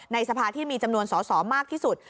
สภาที่มีจำนวนสอสอมากที่สุด